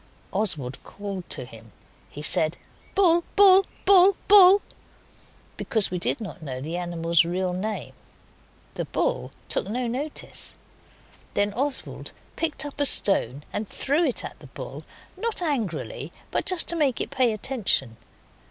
Oswald called to him. He said, 'Bull! Bull! Bull! Bull!' because we did not know the animal's real name. The bull took no notice; then Oswald picked up a stone and threw it at the bull, not angrily, but just to make it pay attention.